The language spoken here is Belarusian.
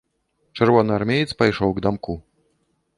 Чырвонаармеец пайшоў к дамку.